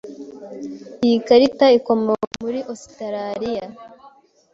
Iyi karita ikomoka muri Ositaraliya.